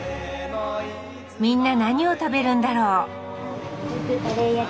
みんな何を食べるんだろう？